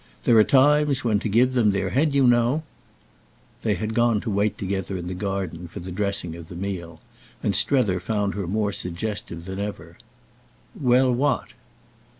"There are times when to give them their head, you know—!" They had gone to wait together in the garden for the dressing of the meal, and Strether found her more suggestive than ever "Well, what?"